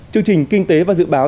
chương trình kinh tế và dự báo